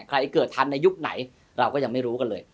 ใครเกิดทันในยุคไหนเราก็ยังไม่รู้กันเลย